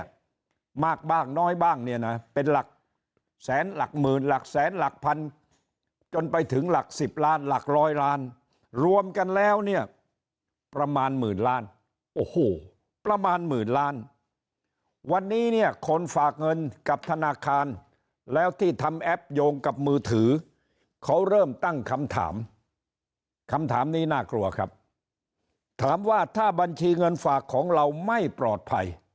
มากบ้างน้อยบ้างเนี่ยนะเป็นหลักแสนหลักหมื่นหลักแสนหลักพันจนไปถึงหลักสิบล้านหลักร้อยล้านรวมกันแล้วเนี่ยประมาณหมื่นล้านโอ้โหประมาณหมื่นล้านวันนี้เนี่ยคนฝากเงินกับธนาคารแล้วที่ทำแอปโยงกับมือถือเขาเริ่มตั้งคำถามคำถามนี้น่ากลัวครับถามว่าถ้าบัญชีเงินฝากของเราไม่ปลอดภัย